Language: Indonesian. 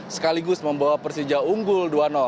sekaligus membawa persija unggul dua